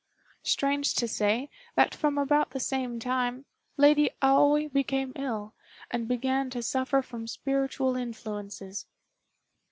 Strange to say, that from about the same time, Lady Aoi became ill, and began to suffer from spiritual influences.